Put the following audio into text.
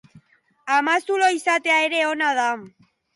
Amazulo izatea ere ona da.